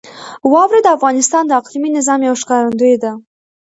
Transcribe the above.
واوره د افغانستان د اقلیمي نظام یوه ښکارندوی ده.